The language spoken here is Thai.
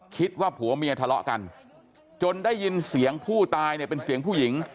คิดว่าผัวเมียทะเลาะกันจนได้ยินเสียงผู้ตายเนี่ยเป็นเสียงผู้หญิง